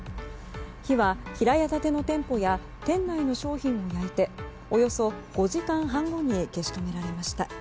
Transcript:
火は平屋建ての店舗や店内の商品を焼いておよそ５時間半後に消し止められました。